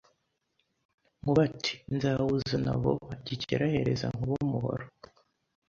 Nkuba ati nzawuzana vuba Gikeli ahereza Nkuba umuhoro